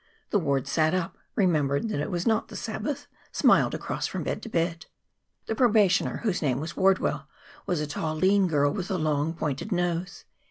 The ward sat up, remembered that it was not the Sabbath, smiled across from bed to bed. The probationer, whose name was Wardwell, was a tall, lean girl with a long, pointed nose.